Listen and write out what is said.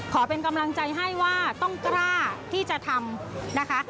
ขอเป็นกำลังใจให้ว่าต้องกล้าที่จะทำนะคะ